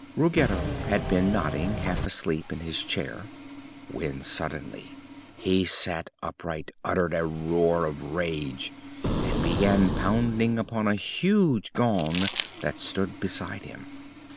Ruggedo had been nodding, half asleep, in his chair when suddenly he sat upright, uttered a roar of rage and began pounding upon a huge gong that stood beside him.